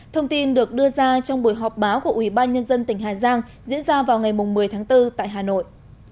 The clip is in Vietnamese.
thông tin được đưa ra trong buổi họp báo của ủy ban nhân dân tỉnh hà giang diễn ra vào ngày một mươi tháng bốn tại hà nội